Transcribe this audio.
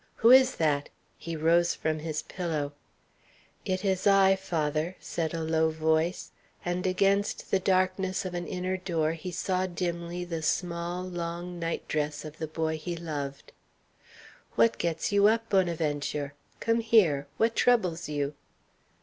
"Who is that?" He rose from his pillow. "It is I, father," said a low voice, and against the darkness of an inner door he saw dimly the small, long nightdress of the boy he loved. "What gets you up, Bonaventure? Come here. What troubles you?"